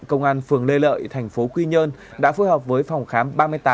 công an phường lê lợi tp quy nhơn đã phối hợp với phòng khám ba mươi tám